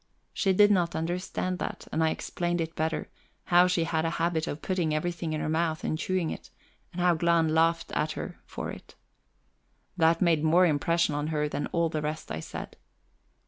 She did not understand that, and I explained it better; how she had a habit of putting everything in her mouth and chewing it, and how Glahn laughed at her for it. That made more impression on her than all the rest I said.